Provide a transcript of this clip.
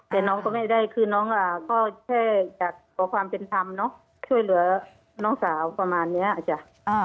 แต่น้องก็ไม่ได้คือน้องก็แค่อยากขอความเป็นธรรมเนอะช่วยเหลือน้องสาวประมาณเนี้ยจ้ะ